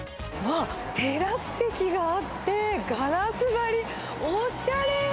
テラス席があって、ガラス張り、おしゃれー！